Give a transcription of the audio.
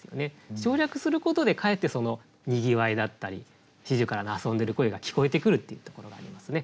省略することでかえってそのにぎわいだったり四十雀の遊んでる声が聞こえてくるっていうところがありますね。